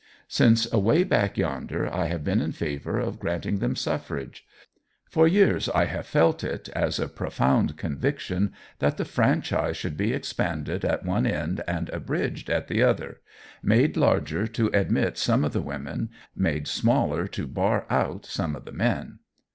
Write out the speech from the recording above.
Since away back yonder I have been in favor of granting them suffrage. For years I have felt it as a profound conviction that the franchise should be expanded at one end and abridged at the other made larger to admit some of the women, made smaller to bar out some of the men.